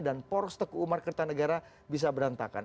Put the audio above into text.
dan poros teku umar kertanegara bisa berantakan